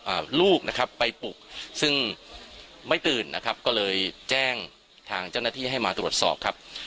อ่าลูกนะครับไปปลุกซึ่งไม่ตื่นนะครับก็เลยแจ้งทางเจ้าหน้าที่ให้มาตรวจสอบครับ